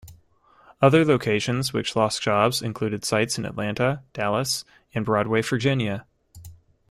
Other locations which lost jobs included sites in Atlanta, Dallas, and Broadway, Virginia.